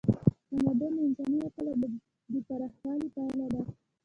تمدن د انساني عقل د پراخوالي پایله ده.